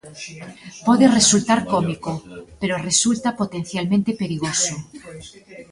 Pode resultar cómico, pero resulta potencialmente perigoso.